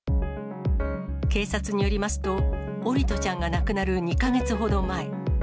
警察によりますと、桜利斗ちゃんが亡くなる２か月ほど前。